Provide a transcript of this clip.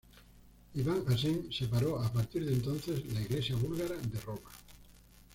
Iván Asen separó a partir de entonces la Iglesia búlgara de Roma.